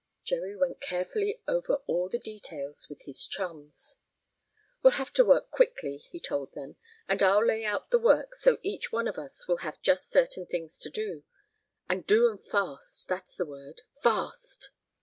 Jerry went carefully over all the details with his chums. "We'll have to work quickly," he told them. "And I'll lay out the work so each one of us will have just certain things to do. And do 'em fast that's the word fast!"